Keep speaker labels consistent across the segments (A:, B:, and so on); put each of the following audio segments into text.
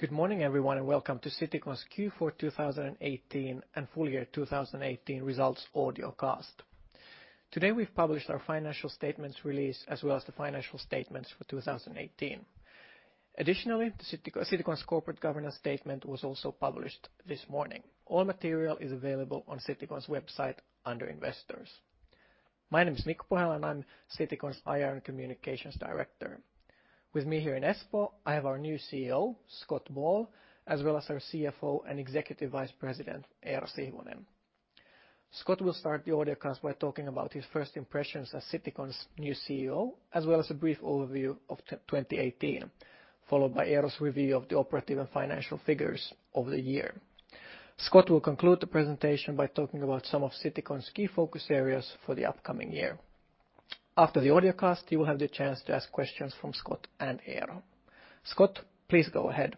A: Good morning everyone, welcome to Citycon's Q4 2018 and Full Year 2018 Results Audio Cast. Today we've published our financial statements release as well as the financial statements for 2018. Additionally, Citycon's corporate governance statement was also published this morning. All material is available on Citycon's website under Investors. My name is Mikko Pohjala, and I'm Citycon's IR and communications director. With me here in Espoo, I have our new CEO, Scott Ball, as well as our CFO and Executive Vice President, Eero Sihvonen. Scott will start the audio cast by talking about his first impressions as Citycon's new CEO, as well as a brief overview of 2018, followed by Eero's review of the operative and financial figures of the year. Scott will conclude the presentation by talking about some of Citycon's key focus areas for the upcoming year. After the audio cast, you will have the chance to ask questions from Scott and Eero. Scott, please go ahead.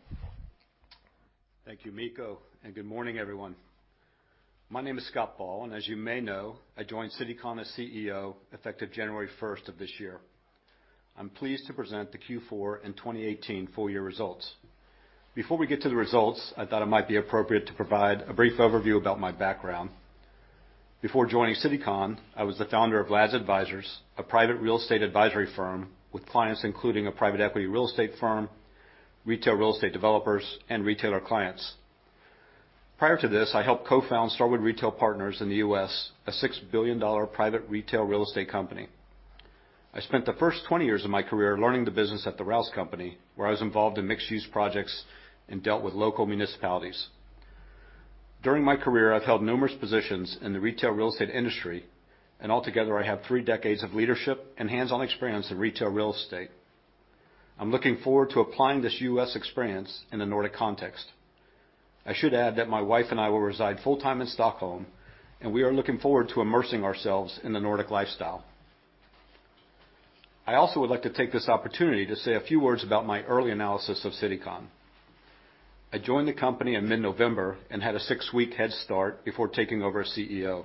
B: Thank you, Mikko, good morning everyone. My name is Scott Ball, and as you may know, I joined Citycon as CEO effective January 1st of this year. I'm pleased to present the Q4 and 2018 full year results. Before we get to the results, I thought it might be appropriate to provide a brief overview about my background. Before joining Citycon, I was the founder of Lazar Advisors, a private real estate advisory firm with clients including a private equity real estate firm, retail real estate developers, and retailer clients. Prior to this, I helped co-found Starwood Retail Partners in the U.S., a six billion dollar private retail real estate company. I spent the first 20 years of my career learning the business at The Rouse Company, where I was involved in mixed-use projects and dealt with local municipalities. During my career, I've held numerous positions in the retail real estate industry, and altogether I have three decades of leadership and hands-on experience in retail real estate. I'm looking forward to applying this U.S. experience in a Nordic context. I should add that my wife and I will reside full-time in Stockholm, and we are looking forward to immersing ourselves in the Nordic lifestyle. I also would like to take this opportunity to say a few words about my early analysis of Citycon. I joined the company in mid-November and had a six-week head start before taking over as CEO.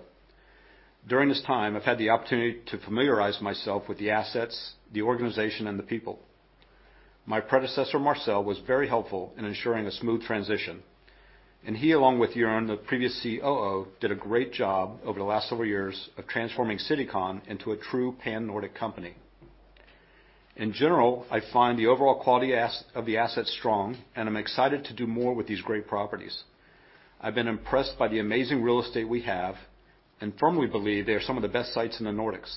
B: During this time, I've had the opportunity to familiarize myself with the assets, the organization, and the people. My predecessor, Marcel, was very helpful in ensuring a smooth transition, and he, along with Jurn, the previous COO, did a great job over the last several years of transforming Citycon into a true Pan-Nordic company. In general, I find the overall quality of the assets strong, and I'm excited to do more with these great properties. I've been impressed by the amazing real estate we have and firmly believe they are some of the best sites in the Nordics.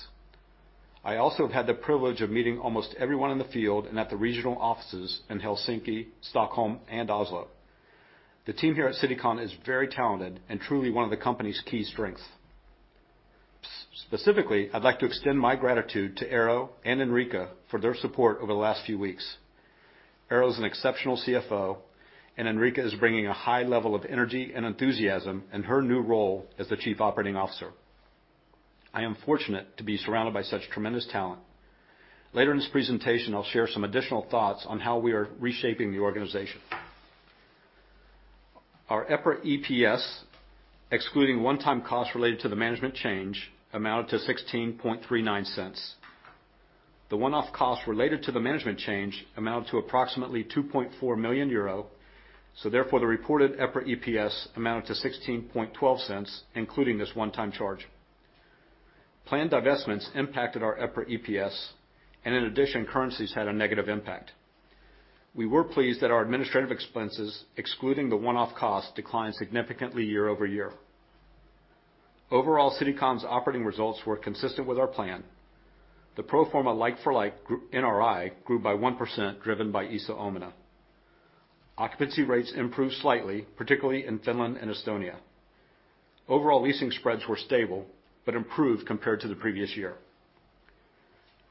B: I also have had the privilege of meeting almost everyone in the field and at the regional offices in Helsinki, Stockholm, and Oslo. The team here at Citycon is very talented and truly one of the company's key strengths. Specifically, I'd like to extend my gratitude to Eero and Henrica for their support over the last few weeks. Eero is an exceptional CFO, and Henrica is bringing a high level of energy and enthusiasm in her new role as the Chief Operating Officer. I am fortunate to be surrounded by such tremendous talent. Later in this presentation, I'll share some additional thoughts on how we are reshaping the organization. Our EPRA EPS, excluding one-time costs related to the management change, amounted to 0.1639. The one-off costs related to the management change amounted to approximately 2.4 million euro. Therefore, the reported EPRA EPS amounted to 0.1612, including this one-time charge. Planned divestments impacted our EPRA EPS, and in addition, currencies had a negative impact. We were pleased that our administrative expenses, excluding the one-off cost, declined significantly year-over-year. Overall, Citycon's operating results were consistent with our plan. The pro forma like-for-like NRI grew by 1%, driven by Iso Omena. Occupancy rates improved slightly, particularly in Finland and Estonia. Overall leasing spreads were stable but improved compared to the previous year.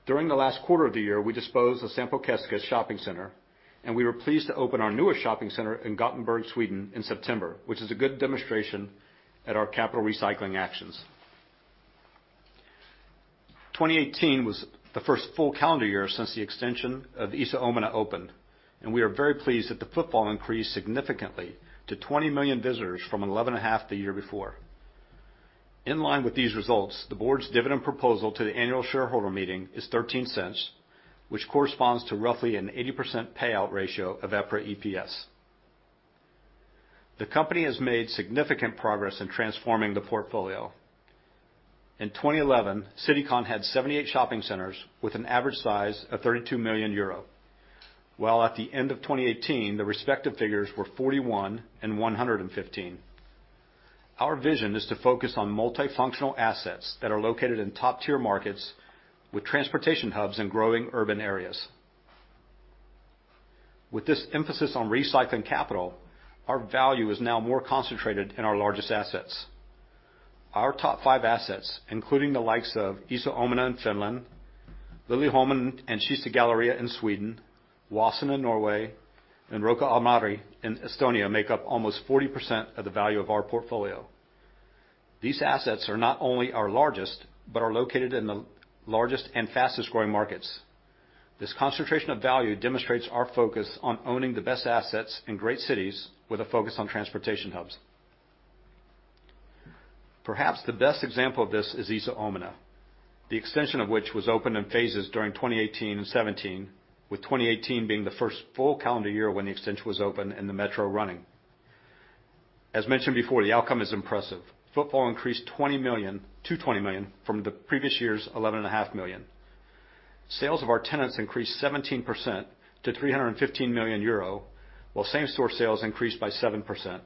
B: During the last quarter of the year, we disposed the Sampokeskus shopping center, and we were pleased to open our newest shopping center in Gothenburg, Sweden in September, which is a good demonstration at our capital recycling actions. 2018 was the first full calendar year since the extension of Iso Omena opened, and we are very pleased that the footfall increased significantly to 20 million visitors from 11.5 the year before. In line with these results, the board's dividend proposal to the annual shareholder meeting is 0.13, which corresponds to roughly an 80% payout ratio of EPRA EPS. The company has made significant progress in transforming the portfolio. In 2011, Citycon had 78 shopping centers with an average size of 32 million euro, while at the end of 2018, the respective figures were 41 and 115. Our vision is to focus on multifunctional assets that are located in top-tier markets with transportation hubs in growing urban areas. With this emphasis on recycling capital, our value is now more concentrated in our largest assets. Our top five assets, including the likes of Iso Omena in Finland, Liljeholmen and Kista Galleria in Sweden, Oasen in Norway, and Rocca al Mare in Estonia, make up almost 40% of the value of our portfolio. These assets are not only our largest but are located in the largest and fastest-growing markets. This concentration of value demonstrates our focus on owning the best assets in great cities with a focus on transportation hubs. Perhaps the best example of this is Iso Omena, the extension of which was opened in phases during 2018 and 2017, with 2018 being the first full calendar year when the extension was open and the metro running. As mentioned before, the outcome is impressive. Footfall increased to 20 million from the previous year's 11.5 million. Sales of our tenants increased 17% to 315 million euro, while same-store sales increased by 7%.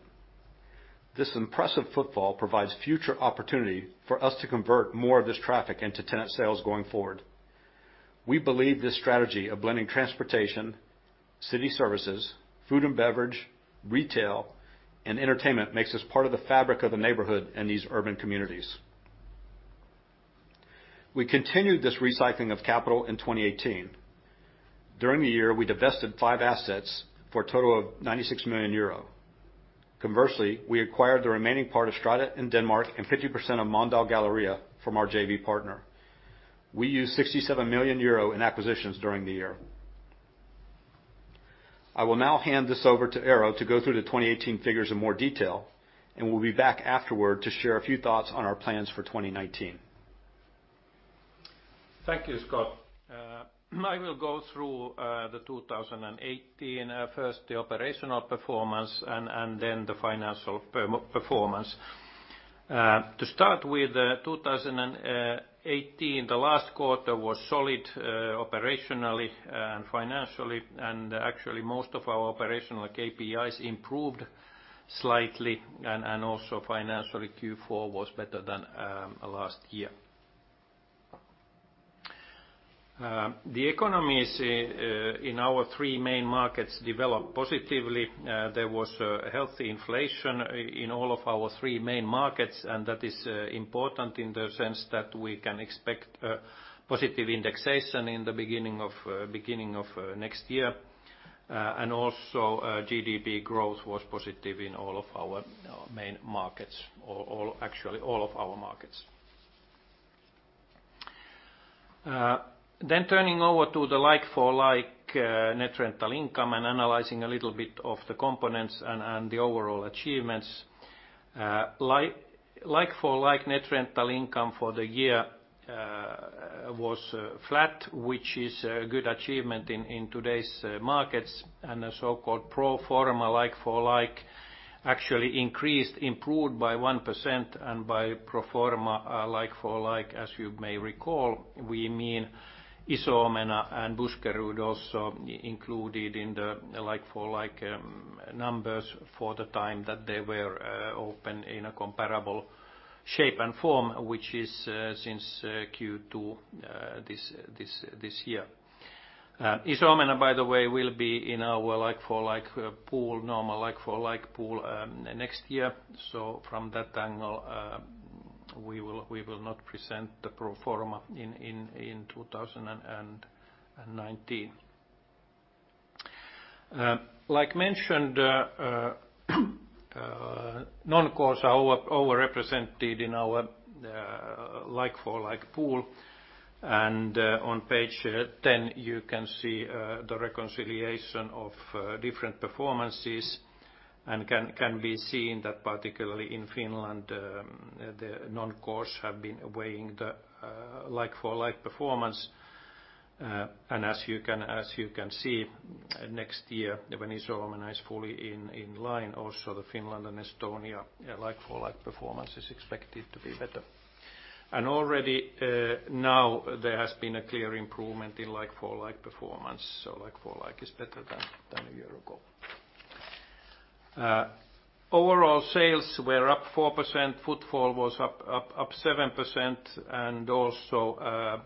B: This impressive footfall provides future opportunity for us to convert more of this traffic into tenant sales going forward. We believe this strategy of blending transportation, city services, food and beverage, retail, and entertainment makes us part of the fabric of the neighborhood in these urban communities. We continued this recycling of capital in 2018. During the year, we divested five assets for a total of 96 million euro. Conversely, we acquired the remaining part of Strædet in Denmark and 50% of Mölndal Galleria from our JV partner. We used 67 million euro in acquisitions during the year. I will now hand this over to Eero to go through the 2018 figures in more detail, and will be back afterward to share a few thoughts on our plans for 2019.
C: Thank you, Scott. I will go through the 2018, first the operational performance and then the financial performance. To start with 2018, the last quarter was solid operationally and financially, actually, most of our operational KPIs improved slightly, also financially, Q4 was better than last year. The economies in our three main markets developed positively. There was a healthy inflation in all of our three main markets, and that is important in the sense that we can expect positive indexation in the beginning of next year. Also, GDP growth was positive in all of our main markets, or actually all of our markets. Turning over to the like-for-like net rental income and analyzing a little bit of the components and the overall achievements. Like-for-like net rental income for the year was flat, which is a good achievement in today's markets, the so-called pro forma like-for-like actually increased, improved by 1%. By pro forma like-for-like, as you may recall, we mean Iso Omena and Buskerud also included in the like-for-like numbers for the time that they were open in a comparable shape and form, which is since Q2 this year. Iso Omena, by the way, will be in our like-for-like pool, normal like-for-like pool, next year. From that angle, we will not present the pro forma in 2019. Like mentioned, non-cores are overrepresented in our like-for-like pool, on page 10, you can see the reconciliation of different performances, can be seen that particularly in Finland, the non-cores have been weighing the like-for-like performance. As you can see, next year, when Iso Omena is fully in line, also the Finland and Estonia like-for-like performance is expected to be better. Already now, there has been a clear improvement in like-for-like performance, so like-for-like is better than a year ago. Overall sales were up 4%, footfall was up 7%, and also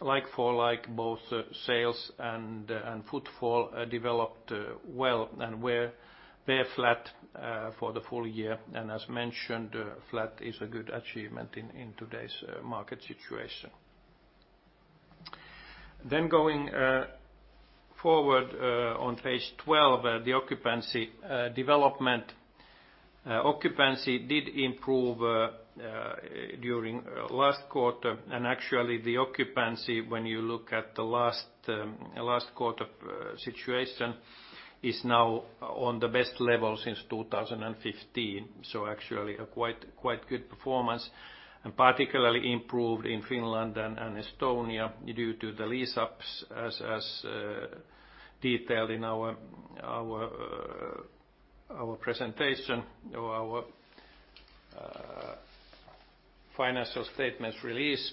C: like-for-like, both sales and footfall developed well and were flat for the full year. As mentioned, flat is a good achievement in today's market situation. Going forward on page 12, the occupancy development. Occupancy did improve during last quarter, actually the occupancy, when you look at the last quarter situation, is now on the best level since 2015, so actually a quite good performance, and particularly improved in Finland and Estonia due to the lease-ups as detailed in our presentation or our financial statements release,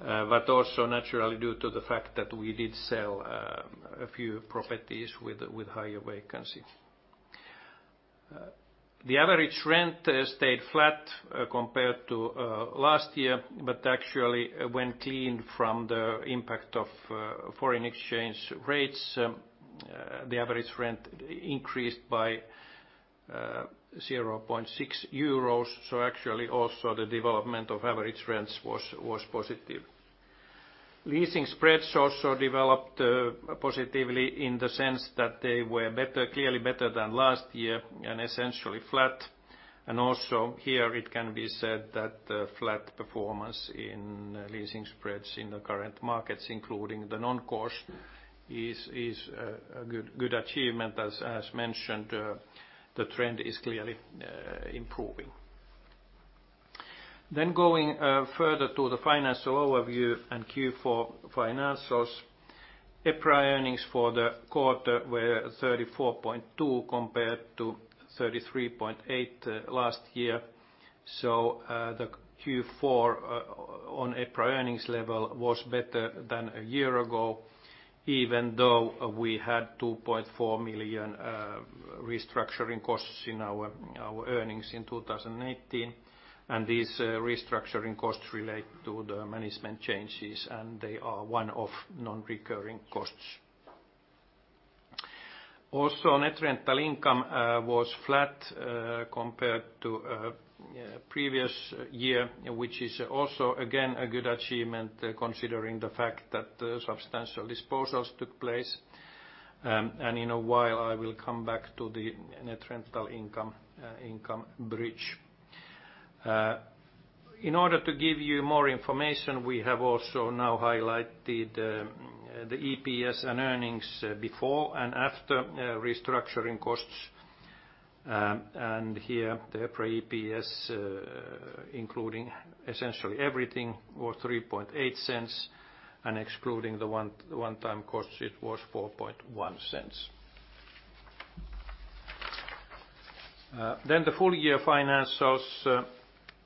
C: but also naturally due to the fact that we did sell a few properties with higher vacancy. The average rent stayed flat compared to last year, but actually when cleaned from the impact of foreign exchange rates, the average rent increased by 0.6 euros, so actually also the development of average rents was positive. Leasing spreads also developed positively in the sense that they were clearly better than last year and essentially flat. Also here it can be said that flat performance in leasing spreads in the current markets, including the non-cores, is a good achievement. As mentioned, the trend is clearly improving. Going further to the financial overview and Q4 financials. EPRA earnings for the quarter were 34.2 compared to 33.8 last year. The Q4 on EPRA earnings level was better than a year ago, even though we had 2.4 million restructuring costs in our earnings in 2018. These restructuring costs relate to the management changes, and they are one-off non-recurring costs. Also, net rental income was flat compared to previous year, which is also, again, a good achievement considering the fact that substantial disposals took place. In a while, I will come back to the net rental income bridge. In order to give you more information, we have also now highlighted the EPS and earnings before and after restructuring costs. Here, the EPRA EPS including essentially everything, was 0.038, and excluding the one-time cost, it was 0.041. The full year financials.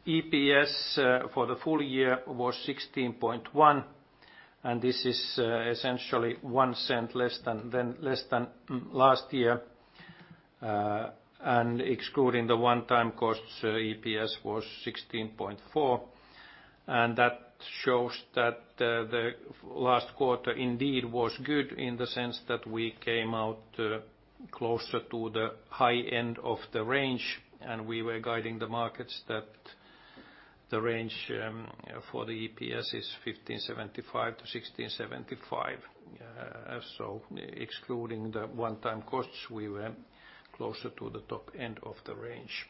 C: EPS for the full year was 16.1, this is essentially 0.01 less than last year. Excluding the one-time costs, EPS was 16.4, that shows that the last quarter indeed was good in the sense that we came out closer to the high end of the range, and we were guiding the markets that the range for the EPS is 15.75-16.75. Excluding the one-time costs, we were closer to the top end of the range.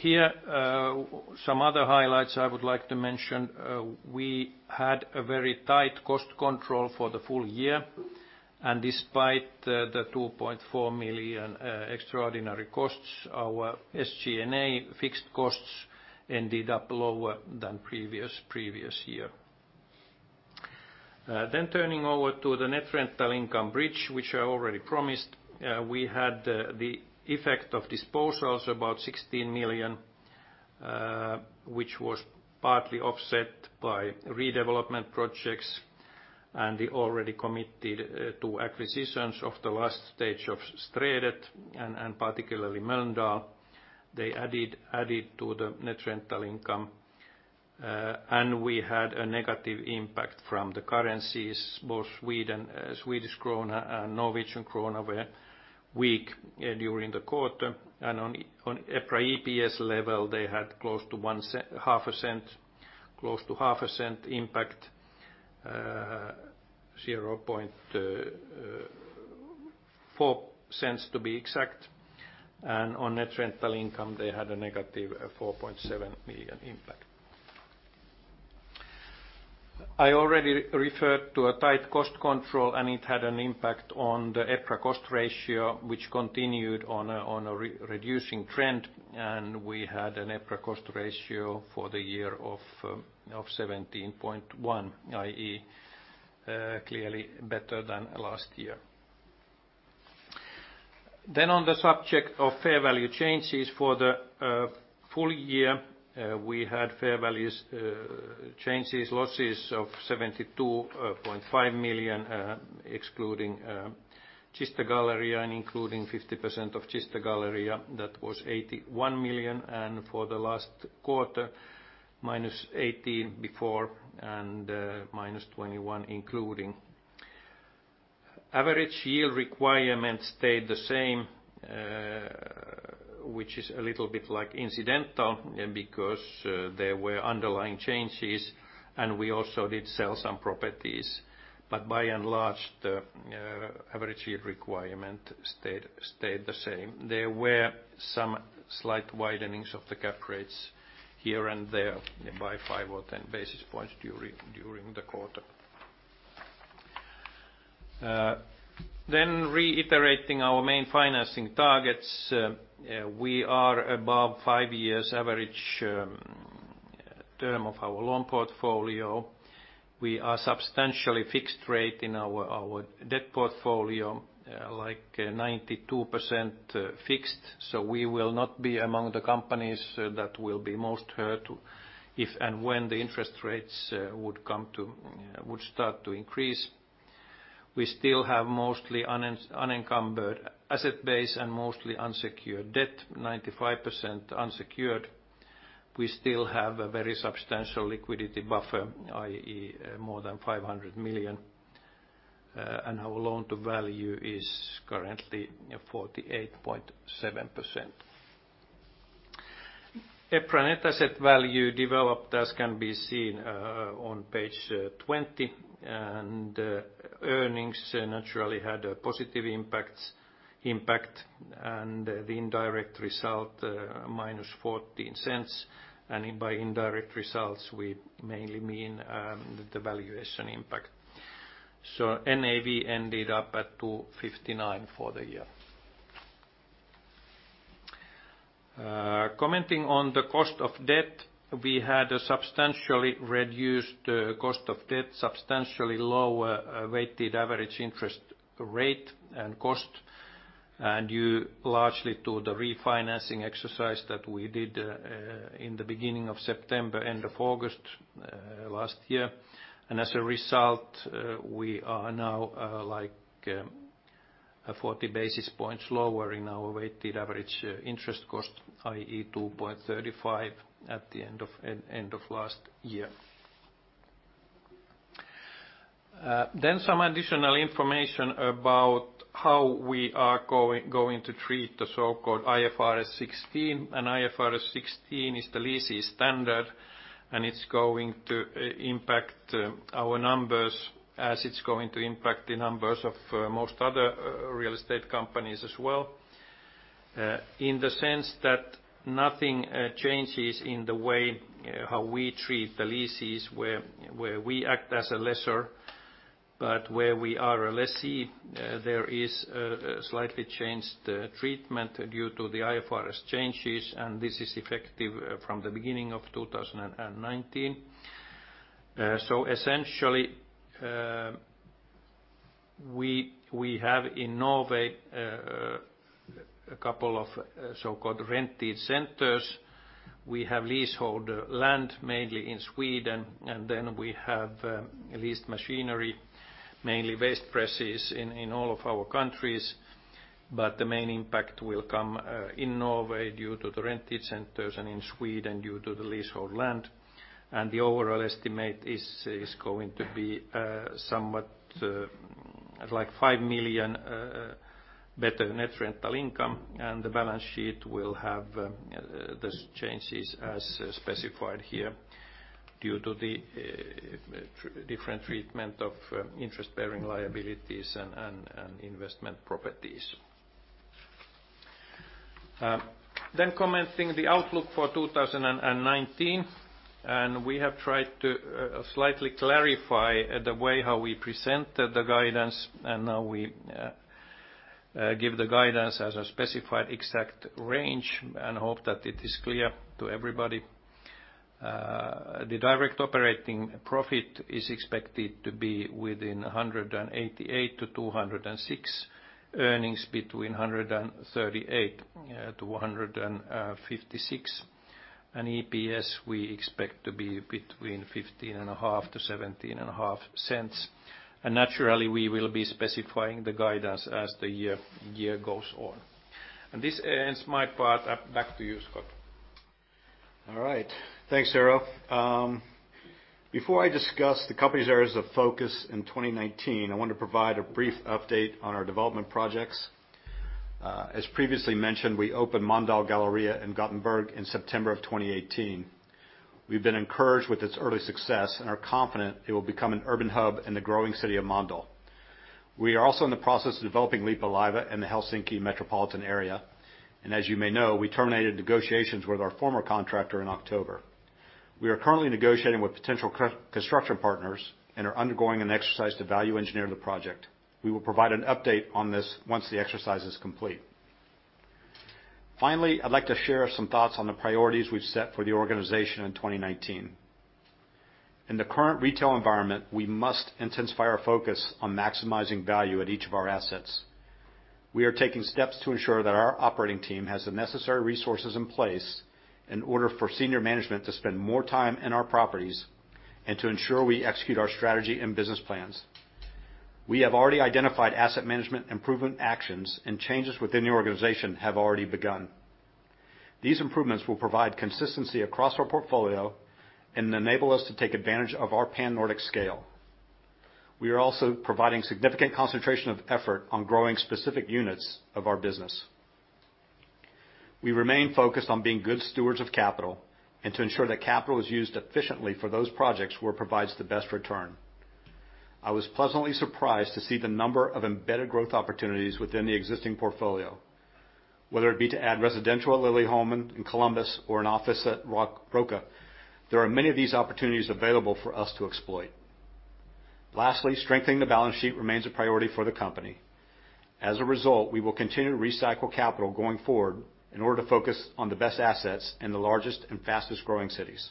C: Here, some other highlights I would like to mention. We had a very tight cost control for the full year, despite the 2.4 million extraordinary costs, our SG&A fixed costs ended up lower than previous year. Turning over to the net rental income bridge, which I already promised. We had the effect of disposals, about 16 million, which was partly offset by redevelopment projects. The already committed to acquisitions of the last stage of Strædet, and particularly Mölndal, they added to the net rental income. We had a negative impact from the currencies. Both Swedish krona and Norwegian krona were weak during the quarter. On EPRA EPS level, they had close to 0.005 impact, 0.004 to be exact, and on net rental income, they had a negative 4.7 million impact. I already referred to a tight cost control, and it had an impact on the EPRA Cost Ratio, which continued on a reducing trend, and we had an EPRA Cost Ratio for the year of 17.1%, i.e., clearly better than last year. On the subject of fair value changes for the full year, we had fair values changes losses of 72.5 million, excluding Kista Galleria and including 50% of Kista Galleria, that was 81 million, and for the last quarter, -18 million before and -21 million including. Average yield requirement stayed the same, which is a little bit like incidental because there were underlying changes, and we also did sell some properties. By and large, the average yield requirement stayed the same. There were some slight widenings of the cap rates here and there by five or 10 basis points during the quarter. Reiterating our main financing targets. We are above five years average term of our loan portfolio. We are substantially fixed rate in our debt portfolio, like 92% fixed. We will not be among the companies that will be most hurt if and when the interest rates would start to increase. We still have mostly unencumbered asset base and mostly unsecured debt, 95% unsecured. We still have a very substantial liquidity buffer, i.e., more than 500 million. Our loan-to-value is currently 48.7%. EPRA Net Asset Value developed as can be seen on page 20, and earnings naturally had a positive impact, and the indirect result, -0.14. By indirect results, we mainly mean the valuation impact. NAV ended up at 259 for the year. Commenting on the cost of debt, we had a substantially reduced cost of debt, substantially lower weighted average interest rate and cost. Due largely to the refinancing exercise that we did in the beginning of September, end of August last year. As a result, we are now 40 basis points lower in our weighted average interest cost, i.e. 2.35% at the end of last year. Some additional information about how we are going to treat the so-called IFRS 16. IFRS 16 is the leasing standard, and it's going to impact our numbers as it's going to impact the numbers of most other real estate companies as well. In the sense that nothing changes in the way how we treat the leases where we act as a lessor, but where we are a lessee, there is a slightly changed treatment due to the IFRS changes, and this is effective from the beginning of 2019. Essentially, we have in Norway a couple of so-called rented centers. We have leasehold land mainly in Sweden, and then we have leased machinery, mainly waste presses in all of our countries. The main impact will come in Norway due to the rented centers and in Sweden due to the leasehold land. The overall estimate is going to be somewhat like 5 million better net rental income. The balance sheet will have those changes as specified here due to the different treatment of interest-bearing liabilities and investment properties. Commenting the outlook for 2019. We have tried to slightly clarify the way how we present the guidance. Now we give the guidance as a specified exact range and hope that it is clear to everybody. The direct operating profit is expected to be within 188-206, earnings between 138-156. EPS we expect to be between 0.155-0.175. Naturally, we will be specifying the guidance as the year goes on. This ends my part. Back to you, Scott.
B: All right. Thanks, Eero. Before I discuss the company's areas of focus in 2019, I want to provide a brief update on our development projects. As previously mentioned, we opened Mölndal Galleria in Gothenburg in September of 2018. We've been encouraged with its early success and are confident it will become an urban hub in the growing city of Mölndal. We are also in the process of developing Leppävaara in the Helsinki metropolitan area. As you may know, we terminated negotiations with our former contractor in October. We are currently negotiating with potential construction partners and are undergoing an exercise to value engineer the project. We will provide an update on this once the exercise is complete. Finally, I'd like to share some thoughts on the priorities we've set for the organization in 2019. In the current retail environment, we must intensify our focus on maximizing value at each of our assets. We are taking steps to ensure that our operating team has the necessary resources in place in order for senior management to spend more time in our properties and to ensure we execute our strategy and business plans. We have already identified asset management improvement actions, and changes within the organization have already begun. These improvements will provide consistency across our portfolio and enable us to take advantage of our Pan-Nordic scale. We are also providing significant concentration of effort on growing specific units of our business. We remain focused on being good stewards of capital and to ensure that capital is used efficiently for those projects where it provides the best return. I was pleasantly surprised to see the number of embedded growth opportunities within the existing portfolio. Whether it be to add residential at Liljeholmen in Columbus or an office at Rocca, there are many of these opportunities available for us to exploit. Lastly, strengthening the balance sheet remains a priority for the company. As a result, we will continue to recycle capital going forward in order to focus on the best assets in the largest and fastest-growing cities.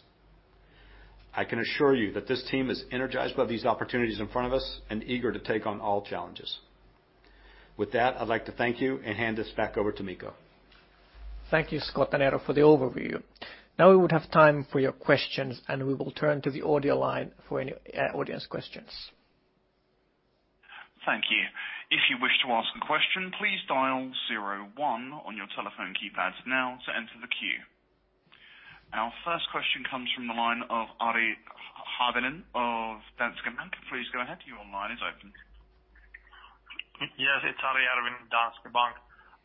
B: I can assure you that this team is energized by these opportunities in front of us and eager to take on all challenges. With that, I'd like to thank you and hand this back over to Mikko.
A: Thank you, Scott and Eero, for the overview. Now we would have time for your questions, and we will turn to the audio line for any audience questions.
D: Thank you. If you wish to ask a question, please dial zero one on your telephone keypads now to enter the queue. Our first question comes from the line of Ari Halonen of Danske Bank. Please go ahead. Your line is open.
E: Yes. It's Ari Halonen, Danske Bank.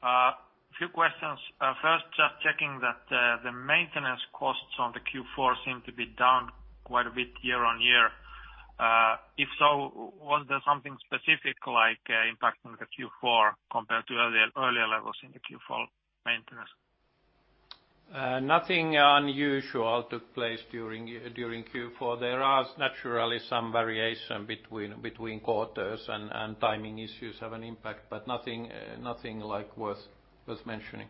E: A few questions. First, just checking that the maintenance costs on the Q4 seem to be down quite a bit year-on-year. If so, was there something specific like impact on the Q4 compared to earlier levels in the Q4 maintenance?
C: Nothing unusual took place during Q4. There are naturally some variation between quarters and timing issues have an impact, but nothing worth mentioning.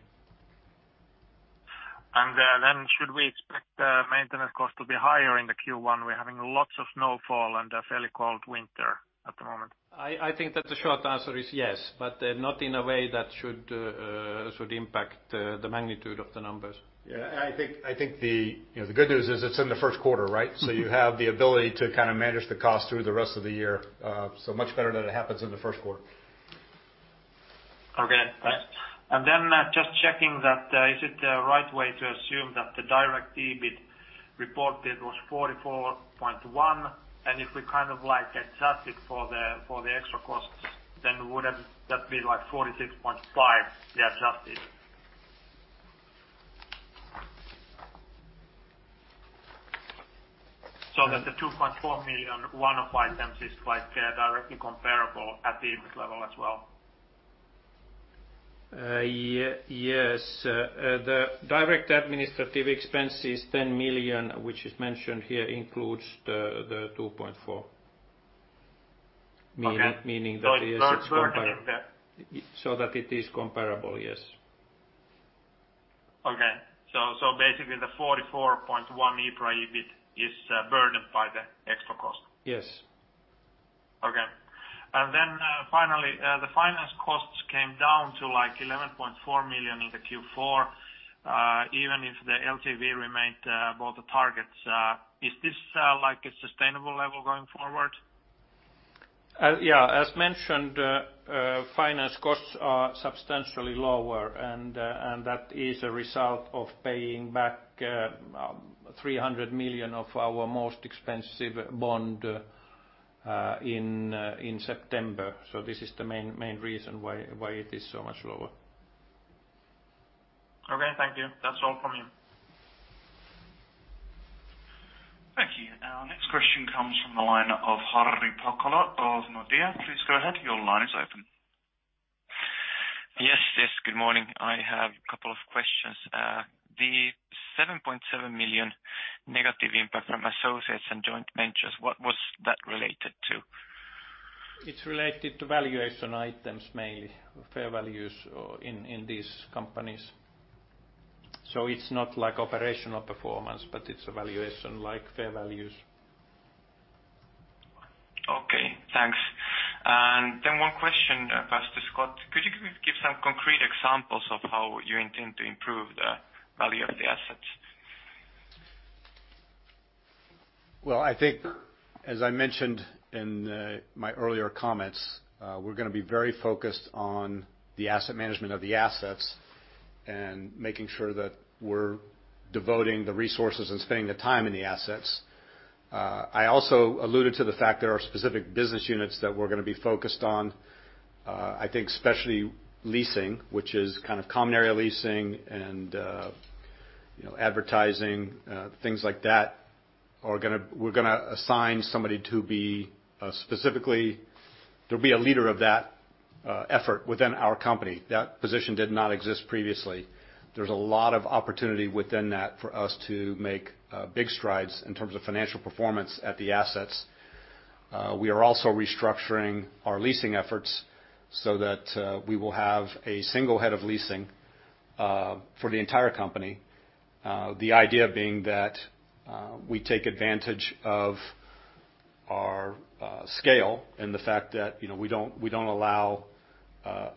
E: Should we expect maintenance costs to be higher in the Q1? We are having lots of snowfall and a fairly cold winter at the moment.
C: I think that the short answer is yes, but not in a way that should impact the magnitude of the numbers.
B: I think the good news is it is in the first quarter, right? You have the ability to manage the cost through the rest of the year, much better that it happens in the first quarter.
E: Just checking that, is it the right way to assume that the direct EBIT reported was 44.1? If we adjust it for the extra costs, then wouldn't that be 46.5, the adjusted? That the 2.4 million one-off item is quite directly comparable at the EBIT level as well.
C: Yes. The direct administrative expense is 10 million, which is mentioned here, includes the 2.4...
E: Okay
C: Meaning that it is comparable.
E: It's burdened there.
C: So that it is comparable, yes.
E: Okay. basically, the 44.1 million EBIT is burdened by the extra cost?
C: Yes.
E: Okay. finally, the finance costs came down to 11.4 million in the Q4, even if the LTV remained above the targets. Is this a sustainable level going forward?
C: Yeah. As mentioned, finance costs are substantially lower, that is a result of paying back 300 million of our most expensive bond in September. this is the main reason why it is so much lower.
E: Okay. Thank you. That's all from me.
D: Thank you. Our next question comes from the line of Ari Pakkala of Nordea. Please go ahead. Your line is open.
F: Yes. Good morning. I have a couple of questions. The 7.7 million negative impact from associates and joint ventures, what was that related to?
C: It's related to valuation items, mainly fair values in these companies. It's not operational performance, but it's a valuation, like fair values.
F: Okay, thanks. One question passed to Scott. Could you give some concrete examples of how you intend to improve the value of the assets?
B: Well, I think as I mentioned in my earlier comments, we're going to be very focused on the asset management of the assets and making sure that we're devoting the resources and spending the time in the assets. I also alluded to the fact there are specific business units that we're going to be focused on. I think especially leasing, which is kind of common area leasing and advertising, things like that. We're going to assign somebody to be a leader of that effort within our company. That position did not exist previously. There's a lot of opportunity within that for us to make big strides in terms of financial performance at the assets. We are also restructuring our leasing efforts so that we will have a single head of leasing for the entire company. The idea being that we take advantage of our scale and the fact that we don't allow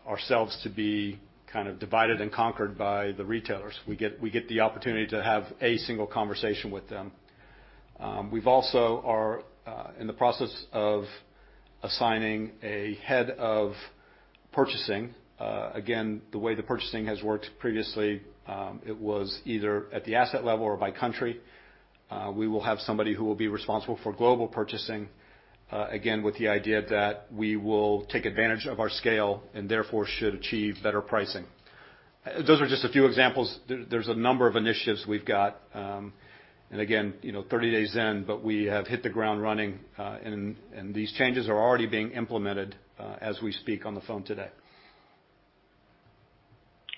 B: ourselves to be kind of divided and conquered by the retailers. We get the opportunity to have a single conversation with them. We also are in the process of assigning a head of purchasing. The way the purchasing has worked previously, it was either at the asset level or by country. We will have somebody who will be responsible for global purchasing, again, with the idea that we will take advantage of our scale and therefore should achieve better pricing. Those are just a few examples. There's a number of initiatives we've got. Again, 30 days in, but we have hit the ground running, and these changes are already being implemented as we speak on the phone today.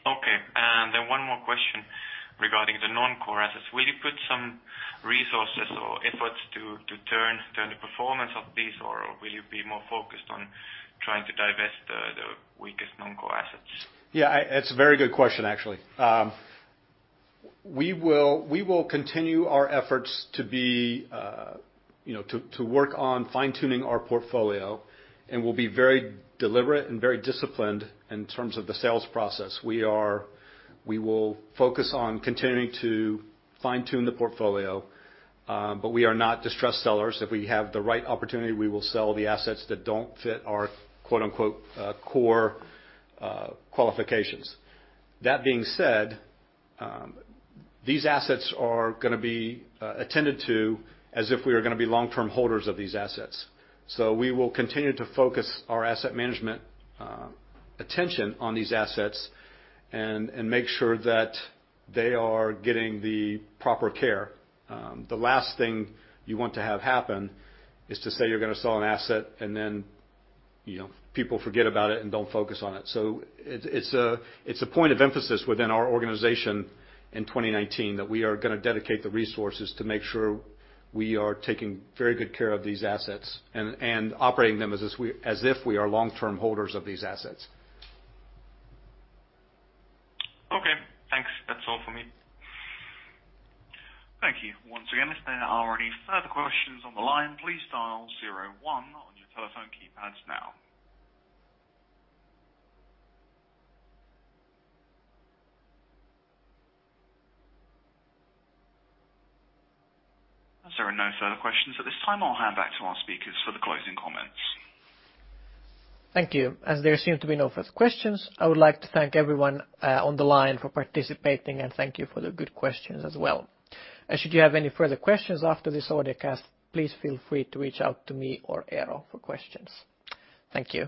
F: Okay. One more question regarding the non-core assets. Will you put some resources or efforts to turn the performance of these, or will you be more focused on trying to divest the weakest non-core assets?
B: Yeah. It's a very good question, actually. We will continue our efforts to work on fine-tuning our portfolio, and we'll be very deliberate and very disciplined in terms of the sales process. We will focus on continuing to fine-tune the portfolio, but we are not distressed sellers. If we have the right opportunity, we will sell the assets that don't fit our "core" qualifications. That being said, these assets are going to be attended to as if we are going to be long-term holders of these assets. We will continue to focus our asset management attention on these assets and make sure that they are getting the proper care. The last thing you want to have happen is to say you're going to sell an asset and then people forget about it and don't focus on it. It's a point of emphasis within our organization in 2019 that we are going to dedicate the resources to make sure we are taking very good care of these assets and operating them as if we are long-term holders of these assets.
F: Okay, thanks. That's all for me.
D: Thank you. Once again, if there are any further questions on the line, please dial zero one on your telephone keypads now. As there are no further questions at this time, I'll hand back to our speakers for the closing comments.
A: Thank you. As there seem to be no further questions, I would like to thank everyone on the line for participating and thank you for the good questions as well. Should you have any further questions after this webcast, please feel free to reach out to me or Eero for questions. Thank you